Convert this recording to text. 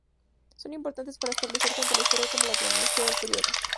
Son importantes para establecer tanto la historia como la cronología del periodo.